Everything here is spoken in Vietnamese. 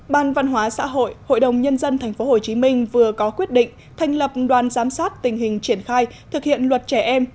ban văn hóa xã hội hội đồng nhân dân tp hcm vừa có quyết định thành lập đoàn giám sát tình hình triển khai thực hiện luật trẻ em